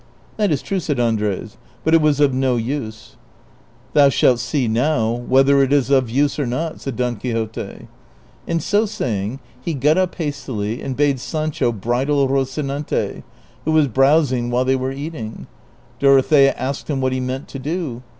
" That is true," said Andres ;" but it was of no use." "Thou shalt see now Avhether it is of use or not," said ' See chapter iv. note 1, p. 22. CHAPTER XXX L 265 Don Quixote ; and so saying, he got up hastily and bade Sancho bridle Rocinante, who was browsing while they were eating. Dorothea asked him what he meant to do.